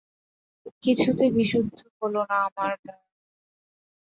কিছুতে বিশুদ্ধ হল না আমার মন!